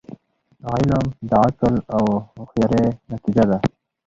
علم د عقل او هوښیاری نتیجه ده.